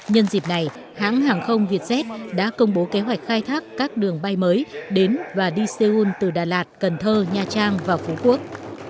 nhân dịp này hãng hàng không vietjet đã công bố kế hoạch khai thác các đường bay mới đến và đi seoul từ đà lạt cần thơ nha trang và phú quốc